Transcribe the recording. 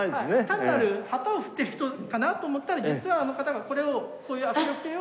単なる旗を振ってる人かなと思ったら実はあの方がこれをこういう握力計を。